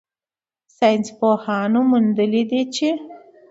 ساینسپوهانو موندلې ده چې